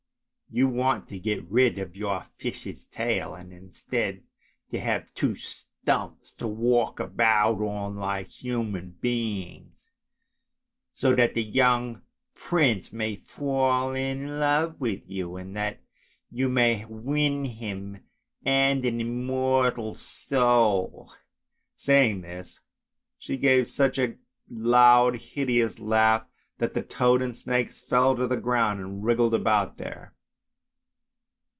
You want to get rid of your fish's tail, and instead to have two stumps to walk about upon like human beings, so that the young prince may fall in love with you, and that you may win him and an immortal soul." Saying this, she gave such a loud hideous laugh that the toad and the snakes fell to the ground and wriggled about there.